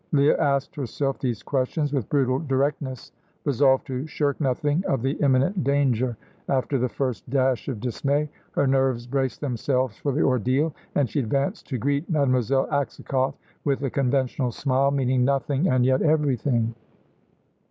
Leah asked herself these questions with brutal directness, resolved to shirk nothing of the imminent danger. After the first dash of dismay her nerves braced themselves for the ordeal, and she advanced to greet Mademoiselle Aksakoff with a conventional smile, meaning nothing and yet everything.